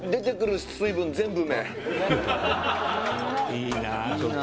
いいなちょっと。